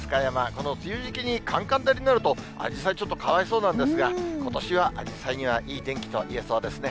この梅雨時期にかんかん照りになると、あじさい、ちょっとかわいそうなんですが、ことしはあじさいにはいい天気といえそうですね。